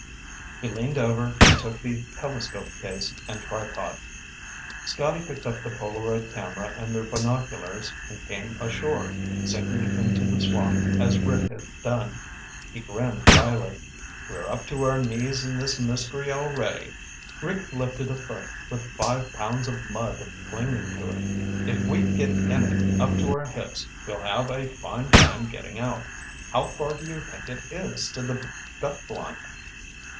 He leaned over and took the telescope case and tripod. Scotty picked up the Polaroid camera and their binoculars and came ashore, sinking into the swamp as Rick had done. He grinned wryly. "We're up to our knees in this mystery already." Rick lifted a foot with five pounds of mud clinging to it. "If we get in it up to our hips, we'll have a fine time getting out. How far do you think it is to the duck blind?"